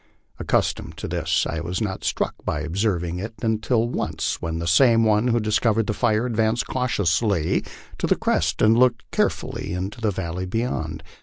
Accustomed to this, I was not struck by observing it until once, when the same one who discovered the fire advanced cautiously to the crest and looked carefully into the valley beyond.